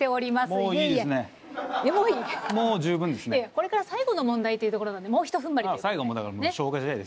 いやいやこれから最後の問題というところなんでもうひとふんばりということで。